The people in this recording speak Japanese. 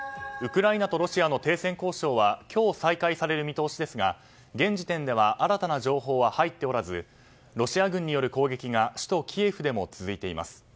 ウクライナとロシアの停戦交渉は今日、再開される見通しですが現時点では新たな情報は入っておらずロシア軍による攻撃が首都キエフでも続いています。